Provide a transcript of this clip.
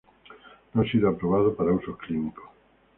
No ha sido aprobado para usos clínicos.